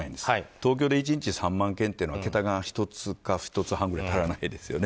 東京で１日３万件というのは桁が１つか２つ半くらい足らないですよね。